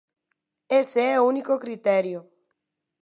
Ese é o único criterio.